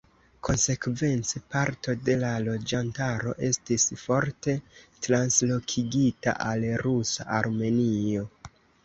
Konsekvence parto de la loĝantaro estis forte translokigita al rusa Armenio.